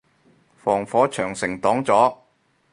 防火長城擋咗